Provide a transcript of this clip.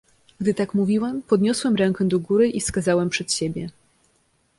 "Gdy tak mówiłem, podniosłem rękę do góry i wskazałem przed siebie."